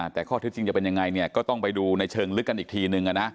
แต่ข้อเท็จจริงจะเป็นยังไงก็ต้องไปดูในเชิงลึกกันอีกทีนึง